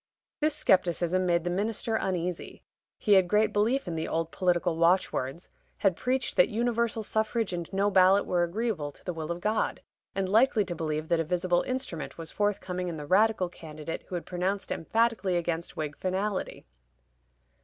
This scepticism made the minister uneasy: he had great belief in the old political watchwords, had preached that universal suffrage and no ballot were agreeable to the will of God, and liked to believe that a visible "instrument" was forthcoming in the Radical candidate who had pronounced emphatically against Whig finality.